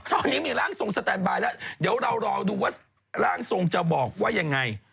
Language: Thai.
ตอนนี้มีร่างทรงสแตนบายแล้วเดี๋ยวเรารอดูว่าร่างทรงจะบอกว่ายังไง